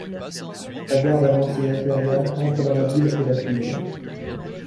La garde avancée impériale entre dans la ville et la pille.